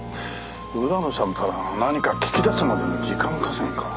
浦野さんから何か聞き出すまでの時間稼ぎか。